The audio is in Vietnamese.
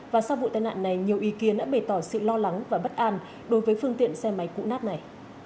và sau vụ tai nạn này nhiều ý kiến đã bày tỏ sự lo lắng và bất an đối với phương tiện xe máy cũ nát này